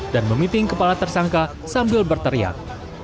memiting kepala tersangka sambil berteriak